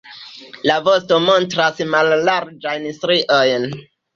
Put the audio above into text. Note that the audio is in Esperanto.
La vosto montras mallarĝajn striojn.